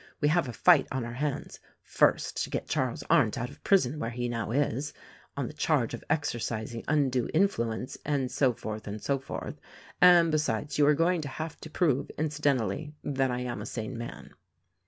We have a fight on our hands— first, to get Charles Arndt out of prison where he now is, on the charge of exercising undue influ ence and so forth and so forth — and besides, you are going to have to prove, incidentally, that I am a sane man."